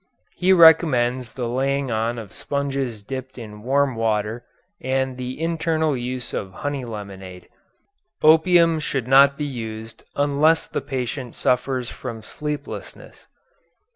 He recommends the laying on of sponges dipped in warm water, and the internal use of honey lemonade. Opium should not be used unless the patient suffers from sleeplessness.